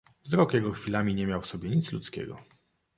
"Wzrok jego chwilami nie miał w sobie nic ludzkiego."